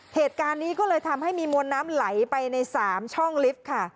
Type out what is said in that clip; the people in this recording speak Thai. เหตุการณ์นี้ก็เลยทำให้มีมวลน้ำไหลไปใน๓ช่องลิฟต์ค่ะ